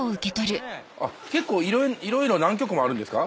結構いろいろ何曲もあるんですか？